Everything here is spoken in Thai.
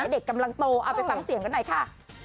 เด็กกำลังโตเอาไปฟังเสียงกันหน่อยค่ะ